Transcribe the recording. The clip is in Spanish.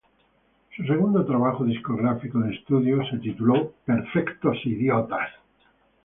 Su segundo trabajo discográfico de estudio, se tituló "Perfectos Idiotas".